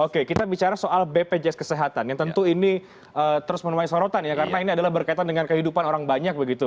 pertanyaan pertama soal bpjs kesehatan yang tentu ini terus menemani sorotan ya karena ini berkaitan dengan kehidupan orang banyak begitu